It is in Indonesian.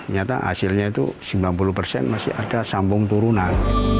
nyata hasilnya itu sembilan puluh persen masih ada sambung turunan